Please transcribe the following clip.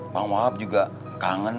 bang wahab juga kangen neng